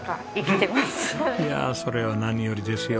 いやあそれは何よりですよ。